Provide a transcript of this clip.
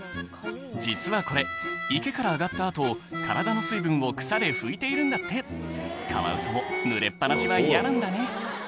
実はこれ池から上がった後体の水分を草で拭いているんだってカワウソもぬれっ放しは嫌なんだね